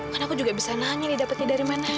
kan aku juga bisa nangis nih dapetnya dari mana